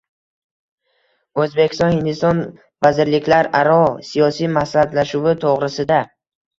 O‘zbekiston-Hindiston vazirliklararo siyosiy maslahatlashuvi to‘g‘risida